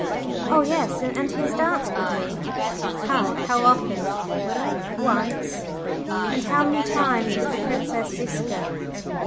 "Oh, yes! And he has danced with me." "Ha! How often?" "Once." "And how many times with the Princess Ziska?"